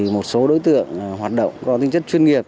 một số đối tượng hoạt động có tính chất chuyên nghiệp